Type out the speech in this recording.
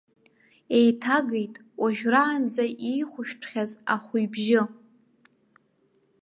Еиҭагеит, уажәраанӡа иихәшәтәхьаз ахә ибжьы.